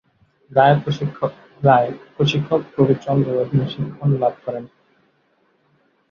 রায়, প্রশিক্ষক প্রবীর চন্দ্রের অধীনে শিক্ষণ লাভ করেন।